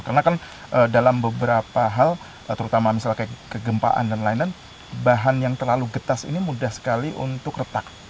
karena kan dalam beberapa hal terutama misalnya kayak kegempaan dan lain lain bahan yang terlalu getas ini mudah sekali untuk retak